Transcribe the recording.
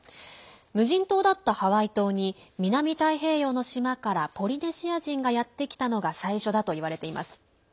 無人島だったハワイ島に南太平洋の島からポリネシア人がやって来たのが最初だと、いわれています。